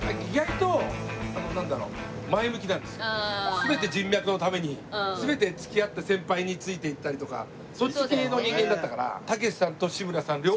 全て人脈のために全て付き合った先輩に付いていったりとかそっち系の人間だったから。